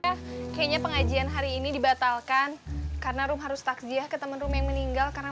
kayaknya pengajian hari ini dibatalkan karena rumah harus takziah ke teman teman yang meninggal karena